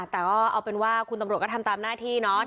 แต่ก็เอาเป็นว่าคุณตำรวจก็ทำตามหน้าที่เนาะ